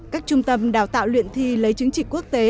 các trung tâm đào tạo luyện thi lấy chứng chỉ quốc tế